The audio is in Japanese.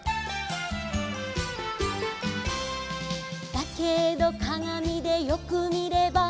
「だけどかがみでよくみれば」